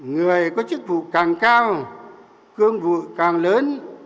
người có chức vụ càng cao cương vụ càng lớn